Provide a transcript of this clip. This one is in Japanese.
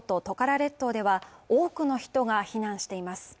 トカラ列島では多くの人が避難しています。